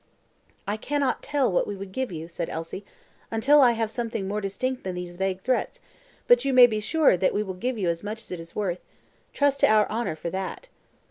"I cannot tell what we would give you," said Elsie, "until I have something more distinct than these vague threats; but you may be sure that we will give you as much as it is worth. Trust to our honour for that."